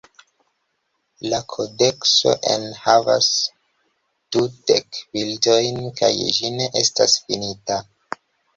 La kodekso enhavas dudek bildojn kaj ĝi ne estas finita.